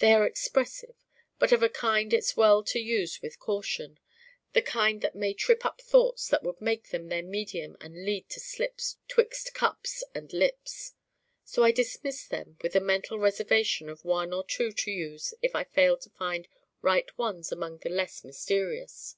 They are expressive but of a kind it's well to use with caution, the kind that may trip up thoughts that would make them their medium and lead to slips 'twixt cups and lips. So I dismiss them with a mental reservation of one or two to use if I fail to find right ones among the less mysterious.